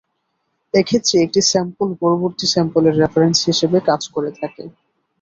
এক্ষেত্রে একটি স্যাম্পল পরবর্তী স্যাম্পল এর রেফারেন্স হিসেবে কাজ করে থাকে।